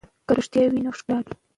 که رښتیا وي نو ښکلا وي.